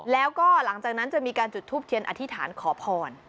แล้วก็หลังจากนั้นจะมีการจุดทูปเทียนอธิษฐานขอพร